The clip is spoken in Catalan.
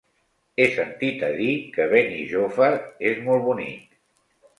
He sentit a dir que Benijòfar és molt bonic.